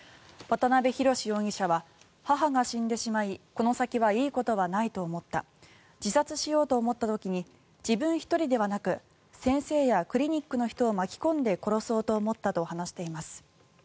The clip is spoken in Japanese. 渡辺宏容疑者は母が死んでしまいこの先はいいことはないと思った自殺しようと思った時に自分１人ではなく先生やクリニックの人を巻き込んで殺そうと思ったと話しています。